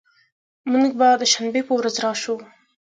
مونږ به د شنبې په ورځ راشو